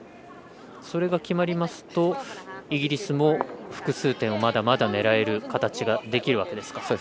それが決まりますとイギリスも複数点を、まだまだ狙える形ができるわけですか。